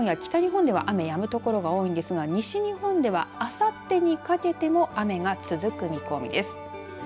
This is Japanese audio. あすのうちに東日本や北日本では雨、やむ所が多いですが西日本ではあさってにかけても雨が続く見込みです。